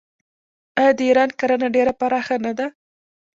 آیا د ایران کرنه ډیره پراخه نه ده؟